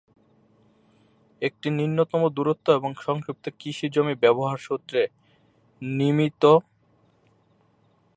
এটি ন্যূনতম দূরত্ব এবং সংক্ষিপ্ত কৃষি জমি ব্যবহার সূত্রে নির্মিত এবং উত্তরপ্রদেশ সরকারের অর্থায়ন করেছে।